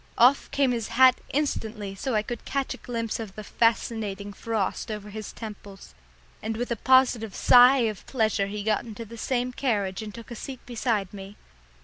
Off came his hat instantly so I could catch a glimpse of the fascinating frost over his temples, and with a positive sigh of pleasure he got into the same carriage and took a seat beside me.